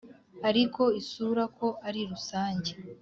ariko isura ko ari rusange,